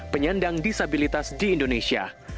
penyandang disabilitas di indonesia